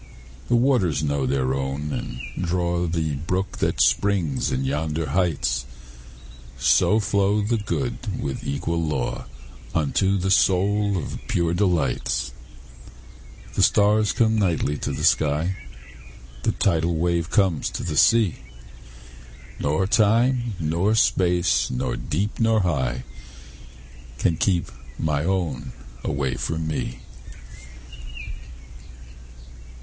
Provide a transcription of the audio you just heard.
The waters know their own and draw The brook that springs in yonder heights; So flows the good with equal law Unto the soul of pure delights. The stars come nightly to the sky, The tidal wave comes to the sea; Nor time, nor space, nor deep, nor high, Can keep my own away from me.